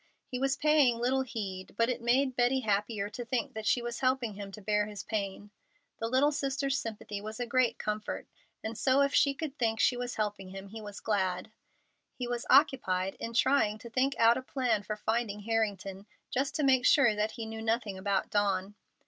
He was paying little heed, but it made Betty happier to think that she was helping him to bear his pain. The little sister's sympathy was a great comfort, and so if she could think she was helping him, he was glad. He was occupied in trying to think out a plan for finding Harrington, just to make sure that he knew nothing about Dawn.